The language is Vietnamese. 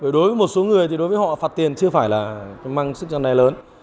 đối với một số người thì đối với họ phạt tiền chưa phải là mang sức gian đe lớn